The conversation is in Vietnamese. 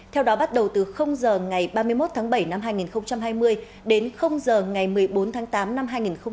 theo đó bắt đầu từ giờ ngày ba mươi một tháng bảy năm hai nghìn hai mươi đến h ngày một mươi bốn tháng tám năm hai nghìn hai mươi